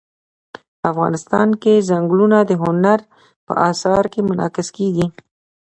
افغانستان کې ځنګلونه د هنر په اثار کې منعکس کېږي.